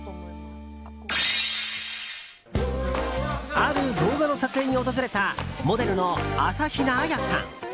ある動画の撮影に訪れたモデルの朝比奈彩さん。